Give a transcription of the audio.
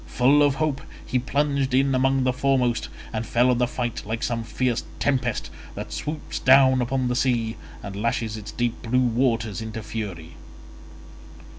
Full of hope he plunged in among the foremost, and fell on the fight like some fierce tempest that swoops down upon the sea, and lashes its deep blue waters into fury.